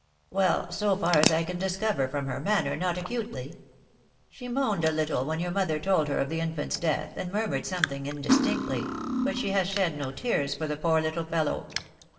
" Well, so far as I can discover from her manner, not acutely. She moaned a little when your mother told her of the infant's death, and murmured something indistinctly; but she has shed no tears for the poor little fellow.